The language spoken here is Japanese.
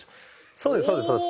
そうですそうですそうです。